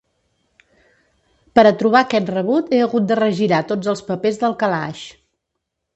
Per a trobar aquest rebut he hagut de regirar tots els papers del calaix.